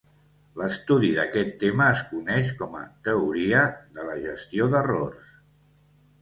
L'estudi d'aquest tema es coneix com a "Teoria de la gestió d'errors".